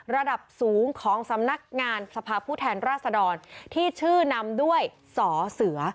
ระดับสูงของสำนักงานสภาพผู้แทนราษดรที่ชื่อนำด้วยสอเสือ